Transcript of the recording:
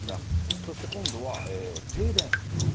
そして今度は停電。